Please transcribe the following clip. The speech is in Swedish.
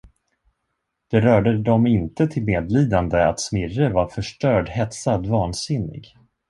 Det rörde dem inte till medlidande, att Smirre var förstörd, hetsad, vansinnig.